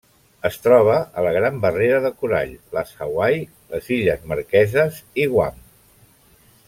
Es troba a la Gran Barrera de Corall, les Hawaii, les Illes Marqueses i Guam.